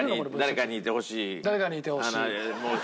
誰かにいてほしい。